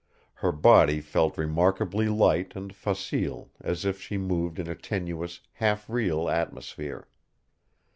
Her body felt remarkably light and facile, as if she moved in a tenuous, half real atmosphere.